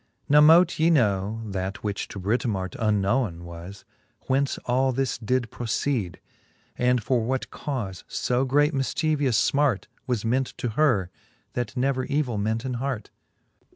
Now mote ye know (that which to Britomart Unknowen was) whence all this did proceede, And for what caufe fb great mifchievous finart Was ment to her, that never evill ment in hart.